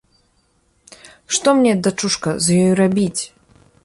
Што мне, дачушка, з ёю рабіць?